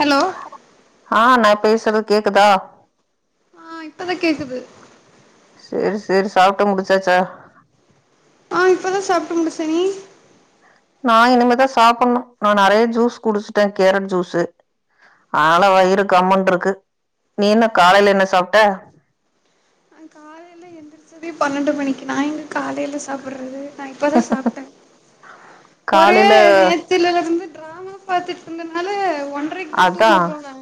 Hello ஆ நா பேசுற கேக்குதா ஆ இப்பதா கேக்குது சேரி சேரி சாப்டு முடிச்சாச்சா ஆ இப்பதா சாப்ட்டு முடிச்சே நீ நா இனிமேதா சாப்ணு நா நெறய ஜூஸ் குடிச்சுட்டே கேரட் ஜூசு ஆனா வயிறு கம்முன்றுருக்கு நீ என்ன காலைல என்ன சாப்ட அ காலைல எந்துருச்சதே பன்னெண்டு மணிக்கு நா எங்க காலைல சாப்ட்றது நா இப்பதா சாப்டே ஒரே காலைல நேத்துல இருந்து டிராமா பாத்துட்டு இருந்தனால ஒன்றைக்குதா அதா தூங்க போன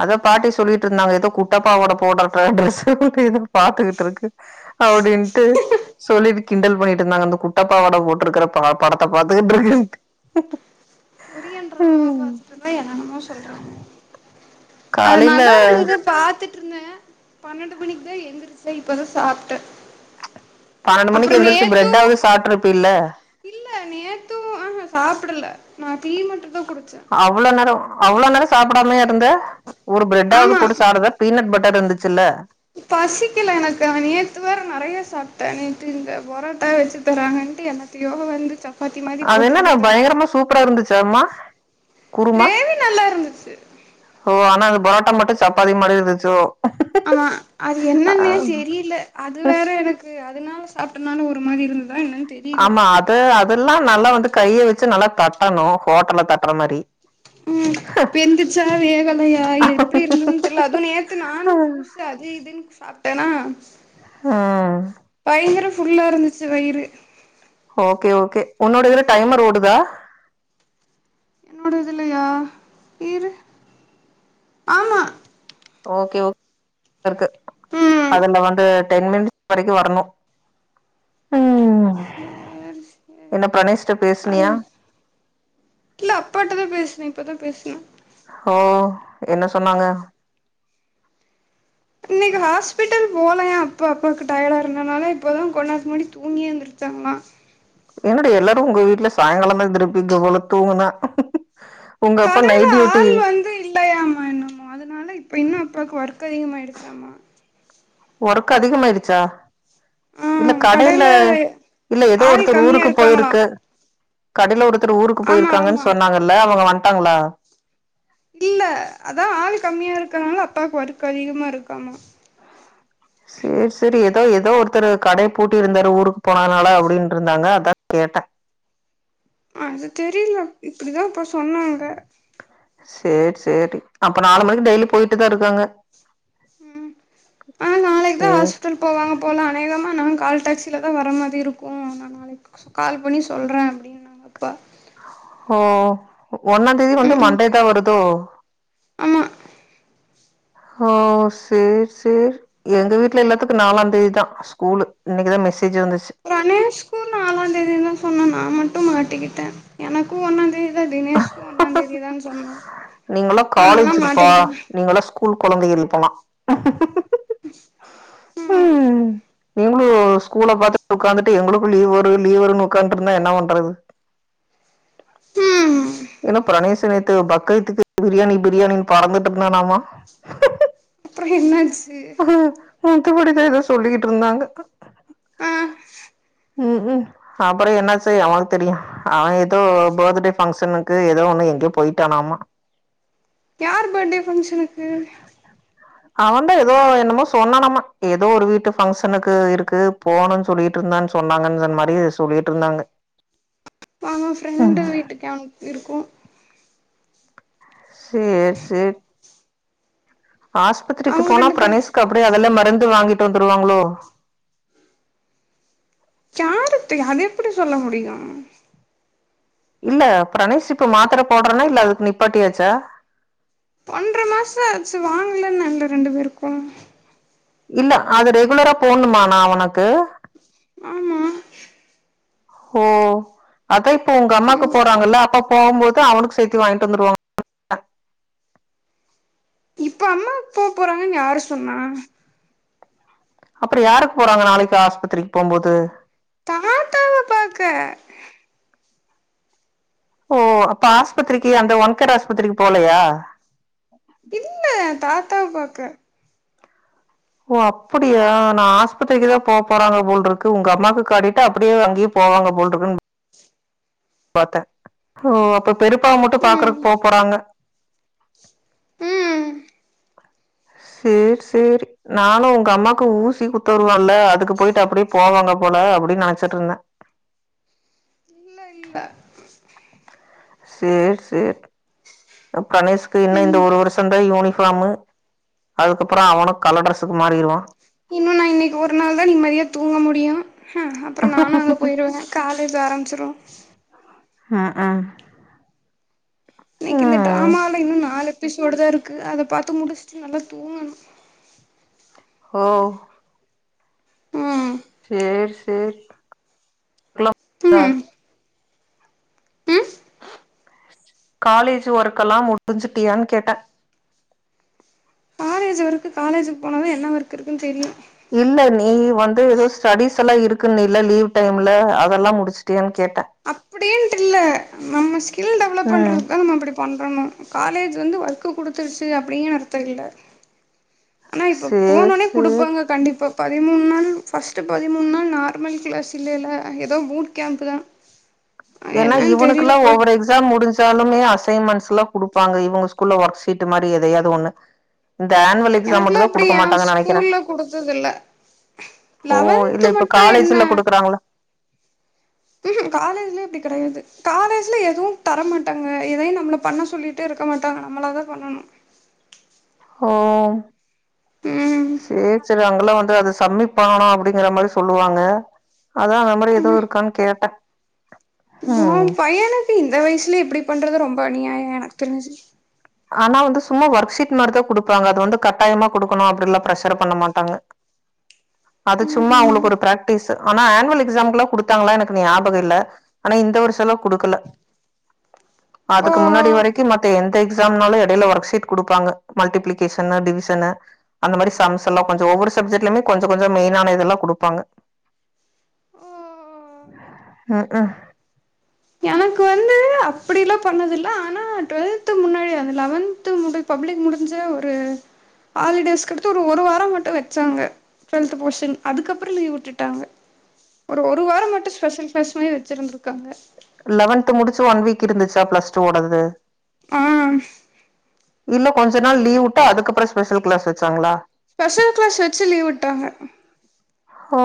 அதா பாட்டி சொல்லிட்ருந்தாங்க த குட்டப் பாவாட போடாற்ற டிரஸ்புக்கு இது பாத்துக்கிட்டு இருக்கு அ அப்டின்ட்டு சொல்லி கிண்டல் பண்ணிட்டு இருந்தாங்க அந்த குட்டப்பாவட போட்டுருக்கற ப படத்த பாத்துக்குட்டுருக்குன்டு கொரியன்ற ம பாத்துட்ருந்தா என்ன என்னமோ சொ [unintelligible] அது காலைல நல்லா இருந்துது பாத்துட் ட்டுருந்தே பன்னெண்டு மணிக்கு தா எந்திரிச்சே இப்பதா சாப்ட்டே பன்னெண்டு மணிக்கு எந்துருச்சு பிரரெட்டாவது சாப்ட்டுருப்பில இல்ல நேத்து ஆஹ சாப்டல நா டீ மட்டு அவ்ளோ நேர அவ்ளோ நேர சாப்பிடாமையா இருந்த ஒரு பிரட்டாவது ஆமா போட்டு சாடுறத பீனட் பட் தத இந்துச்சுல்ல பசிக்கல எனக்கு அவ நேத்து வேற நெறைய சாப்ட்டே நேத்து இந்த போராட்டா வச்சு தருவாங்க டு என்னதையோ வந்து சா அது என்ன நா பயங்கரமா சூப்பரா இருந்துச்சா மா குருமா கிரேவி நல்லா இருந்துச்சு ஓ ஆனா அது போரோட்டா மட்டு சப்பாத்தி மாரி இருந்துச்சோ ஆமா அது என்னனே அஹ் தெரியில அது வேற எனக்கு அதுனால சாப்டனானு ஒரு மாதி இருந்துது ஆமா அது அதெல்லா நல்லா வந்து கைய வச்சு நல்லா தட்டணு ஹோட்டல்ல தட்டுற மாரி [unintelligible] வெந்துர்ச்சா வேகலயா எப்டி இருந்துன் தெர்ல அதுவு நேத்து நானு ஸ் அது இதுன் சாப்டேனா ஹ ஃபுல்லா இருந்துச்சு வயிறு ஓகே ஓகே ஒன்னோட இதுல டைமர் ஓடுதா என்னோட இதுலயா இரு ஆமா ஓகே ஒ கருக்கு ம் அதுல வந்து டென் மினி வரக்கு வரணு ம் சேரி சேரி என்ன ப்ரணேஷ்ட்ட அது பேசுனியா இல்ல அப்பாட்டதா பேசுனே இப்பதா பேசணு ஓ என்ன சொன்னாங்க இன்னக்கு ஹாஸ்பிட்டல் போலையா அப்பா அப்பாக்கு டயர்டா இருந்தனால இப்பதா கொண்நேரத்குமுன்னடி தூங்கி எந்துரு தாங்ளா என்னடி எல்லாரு ஒங்க வீட்ல சாயங்காலந்தா எந்திருப்பிங்க போல தூங்குனா ஒங்க அப்பா நைட் டியூட்டி லையாமா என்னமோ அதுனால இப்ப இன்னு அப்பாக்கு ஒர்க் அதிகமாயிடுச்சாமா ஒர்க் அதிகமாயிடுச்சா ஆ இல்ல கடைல கடையில இல்ல ஏதோ ஆள் ஒருத்தர் கம்மியா ஊருக்கு இருக்காங்களா போயிருக்கு கடைல ஒருத்தர் ஊருக்கு ஆமா ஆமா போயிருக்காங்கன்னு சொன்னாங்கல்ல அவுங்க வண்டாங்களா இல்ல அதா ஆள் கம்மியா இருக்கனால அப்பாக்கு ஒர்க்கு அதிகமா இருக்காமா சேரி சேரி ஏதோ ஏதோ ஒருத்தர் கடைய பூட்டி இருந்தாரு ஊருக்கு போனார்னால அப்டின்ட்டுருந்தாங்க அதா கேட்டே [inaudible] அது தெரியில இப்டிதா அப்போ சொன்னாங்க சேர் சேரி அப்ப நாலு மணிக்கு டெய்லி போய்ட்டு தா இருக்காங்க ம் ஆ நாளைக் தா சேரி ஹாஸ்டல் போவாங்க போல அநேகமா நா கால் டேக்ஸில தா வர மாரி இருக்கு நா நாளைக்கு சு கால் பண்ணி சொல்றே அப்டின்னாங்க அப்பா ஓ ஒன்னா தேதி வந்து ம் ம் மண்டே தா வருதோ ஆமா [inaudible] ஹோ சேர் சேர் எங்க வீட்ல எல்லாத்துக்கு நாலாந்தேதி தா ஸ்கூலு இன்னைக்குதா மெஸ் ரமேஷ்க்கு நாலாந்தேதி தா சொன்ன நா மட்டு மாட்டிக்கிட்ட எனக்கு ஒன்னா தேத் இல்ல தினேஷ்க்கு ஒன்னா தேதி தான் சொன்னோ நீங்கல்லா நாங்களா காலேஜுக்குப்பா மாட்டிருப்போ நீங்கல்லா ஸ்கூல் கொழந்தைகள் போலா ம் நீங்ளு ஸ்கூல பாத்துட் ஒட்காந்துட்டு எங்களுக்கு லீவ் வரு லீவ் வருனு ஒக்காந்ட்ருந்தா என்ன பண்றது [inaudible] ம் ஏனா பிரனேஷு நேத் து பக்ரீத்துக்கு பிரியாணி பிரியாணின் பறந்துட் இருந்தானாமா அப்ற என்னாச் அஹ மத்தபடிதா எதோ சொல்லிக்கிட் இருந்தாங்க ஆ ம் ம் அப்ற என்னாசி எவனுக்கு தெரியு அவ ஏதோ பாத்துடே ஃபங்க்ஷனுக்கு ஏதோ ஒண்ணு எங்கேயோ போய்ட்டானாமா யார் படே ஃபங்க்ஷனுக்கு அவதா ஏதோ என்னமோ சொன்னானாமா ஏதோ ஒரு வீட்டு ஃபங்க்ஷனுக்கு இருக்கு போனுன் சொல்லிட்ருந்தான் சொன்னாங்கன் சொன்ன மாரி சொல்லிட்ருந்தாங்க நாங்க ஃப்ரெண்டு வீட்டுக்கு அன்ப்பிருக்கோ சேர் சேர் ஆஸ்பத்திரிக்கு அவங்க போனா ரெண்டு பேரு பிரனேஷ்கு அப்டியே அதெல்லா மருந்து வாங்கி வந்துரு வாங்ளோ யாருத்து அது எப்டி சொல்ல முடியு இல்ல பிரனேஷ் இப்ப மாத்திர போடுறனா இல்ல அதுக்கு நிப்பாட்டியாச்சா ஒன்ற மாச ஆச்சி வாங்கலன் இல்ல ரெண்டு பேருக்கு இல்ல அது ரெகுலரா போனுமா நா அவனக்கு ஆமா ஓ அதா இப்ப உங்க அம்மாக்கு ம் போறாங்கல்ல அப்பா போவு போது அவனுக்கு சேத்தி வாங்கிட் வந்துருவாங்க இப்ப அம்மா போ போறாங்கன் யாரு சொன்னா அப்ற யாருக்கு போறாங்க நாளைக்கு ஆஸ்பத்திரிக்கு போம்போது தாத்தாவ பாக்க ஓ அப்ப ஆஸ்பத்திரிக்கு அந்த ஒன் கேர் ஆஸ்பத்திரிக்கு போலயா இல்ல தாத்தாவ பாக்க ஓ அப்புடியா நா ஆஸ்பத்திரிக்கு தா போ போறாங்க போல்ருக்கு உங்க அம்மாக்கு காட்டிட்டு அப்டியே அங்கேயே போ போவாங்க போல்ருக்குன் பாத்தே ஓ அப்ப பெரிப்பாவ மட்டு ம் பாக்கறக் போ போறாங்க ம் சேர் சேரி நானு உங்க அம்மாக்கு ஊசி குத்து வருவால்ல அதுக்கு போயிட்டு அப்டியே போவாங்க போல அ ப்புடின் நெனச்சிட்ருந்தே இல்ல இல்ல சேர் சேர் ப்ற பிரனேஷ்கு இன்ன ம் இந்த ஒரு வருஷ தா யூனி ஃபாமு அதுக்கப்றோ அவனு கலர் டிரெஸுக்கு மாறிருவா இன்னு நா இன்னைக்கு ஒரு நாள் தா நிம்மதியா தூங்க முடியு ஹ அப்ற நானு அங்க போயிருவே காலேஜா ஆரம்ச்சிரு ஆ ஆ இன்னைக்கு இந்த டிராமால இன்னு நாலு ப்பிசோடு தா இருக்கு அத பாத்து முடிச்சுட்டு நல்லா தூங்கணு ஓ ம் சேரி சேரி ம் காலேஜ் ஒர்க்கெல்லா முடிஞ்சுட்டியான்னு கேட்ட காலேஜு ஒர்க்கு காலேஜுக்கு போனாதா என்ன ஒர்க் இருக்குன்னு தெரியு இல்ல நீ வந்து ஏதோ ஸ்டடீஸ்லா இருக்குன்னீல்ல லீவ் டைம்ல அதெல்லா முடிச்சிட்டியான்னு அப்டின்ட்டு இல்ல நம்ம ஸ்கில் டெவலப் ம் பண்றதுக்குதா நம்ம அப்டி பண்றணு காலேஜ் வந்து ஒர்க்கு குடுத்துருச்சு அப்டிங்க அர்த்த இல்ல ஆனா இப்ப சேர் போனோன்னே சேர் குடுப்பாங்க கண்டிப்பா பதிமூணு நாள் ஃபஸ்ட்டு பதிமூணு நாள் நார்மல் கிளாஸ் இல்லேல்ல ஏதோ பூட் கேம்ப்தா ஏன்னா இவனுக்குல்லா ஒவ்வொரு எக்ஸாம் முடிஞ்சாலுமே அஸ் அசைன்மெண்ட்ஸ்லா குடுப்பாங்க இவுங்க ஸ்கூல்ல ஒர்க் ஷீட்டு மாரி எதையாவது ஒன்னு இந்த ஆன்வெல் எக்ஸாம் எனக்குலா மட்டுந்தா அப்டி குடுக்க ஏ மாட்டாங்கன்னு நெனைக்கிற ஸ்கூல்ல குடுத்ததில்ல ஓ இல்ல லெவன்த்து இப்ப மட்டு காலேஜ்ல குடுக்குறாங்கல்ல ம்ஹு காலேஜ்லா இப்டி கெடையாது காலேஜ்ல எதுவு தர மாட்டாங்க எதையு நம்மள பண்ண சொல்லிட்டே இரு க்க மாட்டாங்க நம்மளா தா பண்ணணு ஓ ம் சேரி சேர் அங்கல்லா தோ அது சம்மிட் பண்ணனு அப்டிங்கற மாரி சொல்லுவாங்க அதா அந்த மாரி எதுவு இருக்கான்னு கேட்ட ஓ பையனுக்கு இந்த வயசுலே இப்டி பண்றது ரொம்ப அநியாயம் எனக்கு தெரிஞ்சு ஆனா வந்து சும்மா ஒர்க் ஷீட் மாரிதா குடுப்பாங்க அது வந்து கட்டாயமா குடுக்கணு அப்டின்லா பிரஷர் பண்ண மாட்டாங்க அது சும்மா ம்ஹூம் அவுங்களுக்கு ஒரு பிராக்டிஸ் ஆனா ஆனுவல் எக்ஸாமுக்குல்லா குடுத்தாங்களா எனக்கு ஞாபக இல்ல ஆனா இந்த வருஷலா குடுக்கல ஓ அதுக்கு முன்னாடி வரைக்கு மத்த எந் எக்ஸாம்னாலே எடையில ஒர்க் ஷீட் குடுப்பாங்க மல்டிபிலிகேஷனு டிவிசனு அந்த மாரி சம்ஸ் எல்லா கொஞ்ச ஒவ்வொரு சப்ஜெக்ட்லுமே கொஞ்ச கொஞ்ச ஒரு மெயினான இதெல்லா குடுப்பாங்க ஓ ம்ஹு எனக்கு வந்து அப்டில்லா பண்ணது இல்ல ஆனா டுவெல்த்து முன்னாடி அந்த லெவன்த்து முடி ப பப்ளிக் முடிஞ்சு ஒரு ஹாலிடேஸ்கடுத்து ஒரு ஒரு வார மட்டு வச்சாங்க டுவெல்த்து போஷன் அதுக்கப்புற லீவ் விட்டுட்டாங்க ஒரு ஒரு வார மட்டு ஸ்பெஷல் கிளாஸ் மேரி வச்சிருந்திருக்காங்க லெவன்த்து முடிச்சு ஒன் வீக் இருந்துச்சா பிளஸ் டூ ஓடது ஆ இல்ல கொஞ்ச நாள் லீவ் வுட்டு அதுக்கப்புற ஸ்பெஷல் கிளாஸ் வச்சாங்களா ஸ்பெஷல் கிளாஸ் வச்சு லீவ் விட்டாங்க ஓ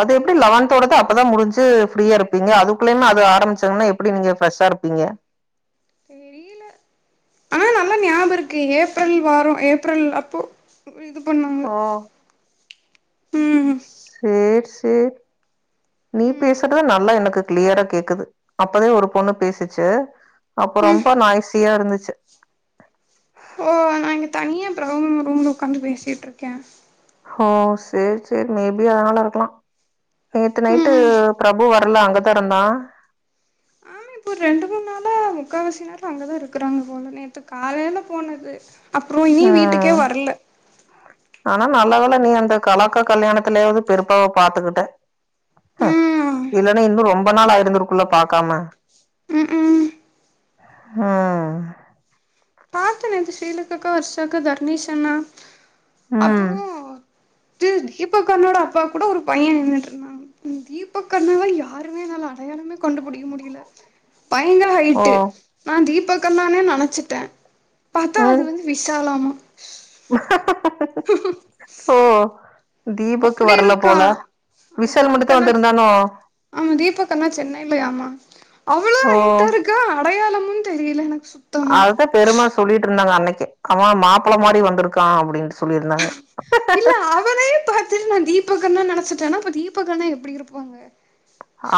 அது எப்படி லெவன்த்தோடது அப்பதா முடிஞ்சு ஃப்ரீயா இருப்பீங்க அதுக்குள்ளைமே அது ஆரம்பிச்சங்கன்னா எப்டி நீங்க ஃப்ரெஷ்ஷா இருப்பீங்க தெரியில ஆனா நல்லா ஞாப இருக்கு ஏப்ரல் வாரோ ஏப்ரல் அப்போ ஒரு இது பண்ணாங்க ஓ! ம் சேரி சேரி நீ ம் பேசுறது நல்லா எனக்கு கிளியரா கேக்குது அப்பதே ஒரு பொண்ணு பேசுச்சு அப்ப ம் ரொம்ப நாய்ஸியா இருந்துச் சு ஓ நா இங்க தனியா பிரவீன் அண்ண ரூம்ல உக்காந்து பேசிட்ருக்கே ஹோ சேரி சேரி மேபி அதனால இருக்கலா நேத்து நைட்டு ஆமா பிரபு வர ல அங்கதா இருந்தா இப்போ ஒரு ரெண்டு மூணு நாள முக்காவாசி நேர அங்கதா இருக்கறாங்க போல நேத்து காலைல போனது அப்புரோ இனி வீட்டுக்கே ம். வரல ஆனா நல்ல வேள நீ அந்த கலாக்கா கல்யாணத்தலயாவது பெருப்பாவ பாத்துக்கிட்ட அ ம் இல்லன்னா இன்னு ரொம்ப நாள் ஆயிருந்திருக்குல்ல பாக்காம ம் ம் ஆ பார்த்த நேத்து ஸ்ரீலகாக்கா வர்ஷாக்கா தர்ணிஸ் அண்ணா ம். அப்புறோ அது தீபக்க் அண்ணோட அப்பா கூட ஒரு பையன் நின்ட்டு இருந்தா தீபக் அண்ணாவ யாருமே என்னால அடையாளமே கண்டுபிடிக்க முடியல பயங்கர ஹைட்டு ஓ! நா தீபக் அண்ணானே நினைச்சுட்டே பாத்தா ம் அது வந்து விசாலாமா ஓ தீபக்கு அப்படி வரல இருக்கா போல ஆ விஷால் தீபக் மட்டுந்தா அண்ணா வந்திருந்தானோ ஆமா தீபக் அண்ணா சென்னைல யாமா அவ்ளோ ஓ ஹைட்டா இருக்கா அடையாள தெரியல எனக் அததா பெரிமா சொல்லிட்டு இருந்தாங்க அன்னைக்கே அவ மாப்பிள்ள மாரி வந்திருக்கா அப்படின்னு இல்ல அவரே பாத்துட்டு நா தீபக் அண்ணா நன வச்சிட்னா அப்ப தீபக அக்கான எப்டி இருப்பாங்க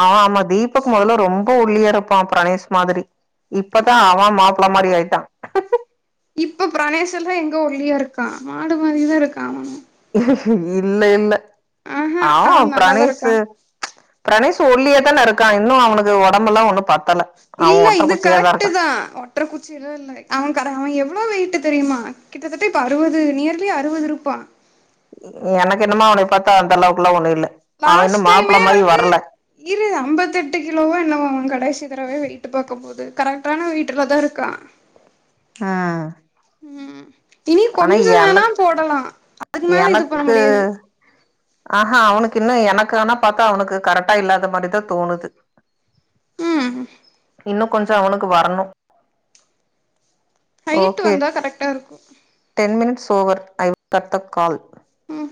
ஆ ஆமா தீபக் முதல்ல ரொம்ப ஒல்லியா இருப்பா பிரணேஷ் மாதிரி இப்பதா அவ மாப்பிள்ள மாதிரி ஆயிட்டா இப்ப பிரணேஷ அண்ணா எங்க ஒல்லியா இருக்கா மாடு மாதிரிதா இருக்கா அவனு இல்ல இல்ல ஆஹா அவ அவன் நல்லாதா இருக்கா பிரணேஷு பிரனீஷ் ஒல்லியா தானே இருக்கா இன்னு அவனுக்கு உடம்பு எல்லா ஒண்ணு பத் இல்ல இது கரெக்ட் தா ஒற்ற குச்சிய எல்ல இல்ல அவ அவ எவ்வளோ வெயிட்டு தெரியுமா கிட்டத்தட்ட இப்ப அறுவது நியர்லி அறுவது இருபா எனக்கு என்னமோ அவன பார்த்தா அந்த அளவுக்கு எல்லா ஒண்ணு இல்ல அவ இன்னு மாப்பிள லாஸ்டைமே மாரி வந்து வரல இரு அம்பத்எட்டு கிலோவா என்னவோ அவ கடைசி திறவே வெயிட்டு பார்க்க போது கரெக்டான வெயிட்டுலதா இருக்கா ஆ ம் இனி ஆனா கொஞ்சோ வேணா எனக் போடலா அதுக்கு மேல இது பண்ண எனக்கு முடியாது ஆ அ அவனுக்கு இன்னு எனக்கு ஆனா பார்த்தா அவனுக்கு கரெக்டா இல்லாத மாரி தா தோணுது ம் இன்னு கொஞ்ச அவனுக்கு வரணு ஹைட் ஓகே வந்தா கரெக்டா இருக்கு ten minutes over I கட்த்த call um